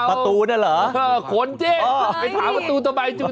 ประตูนั่นเหรอเหอยครับโขนเจ๊ไปถามประตูต่อไปที่ทำ